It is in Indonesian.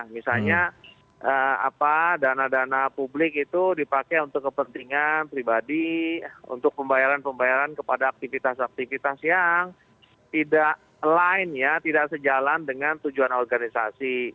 misalnya dana dana publik itu dipakai untuk kepentingan pribadi untuk pembayaran pembayaran kepada aktivitas aktivitas yang tidak line ya tidak sejalan dengan tujuan organisasi